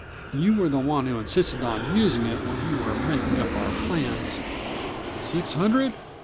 "You were the one who insisted on using it when we were making up our plans." "Six hundred?